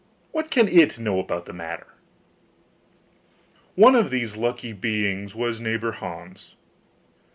what can it know about the matter? One of these lucky beings was neighbour Hans.